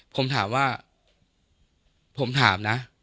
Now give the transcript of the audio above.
ผมถามว่าผมถามนะ